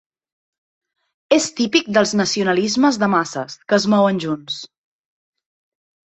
És típic dels nacionalismes de masses, que es mouen junts.